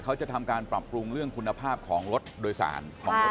เขาจะทำการปรับปรุงเรื่องคุณภาพของรถโดยสารของรถ